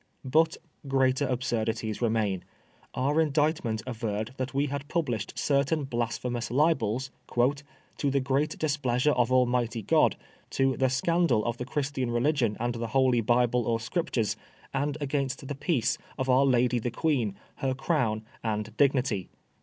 But greater absurdities remain. Our Indictment averred that we had published certain Blasphemous Libels "to the great displeasure of Almighty God, to the scandal of the Christian religion and the Holy Bible or Scriptures, and against the peace of our Lady the Queen, her crown and dignity."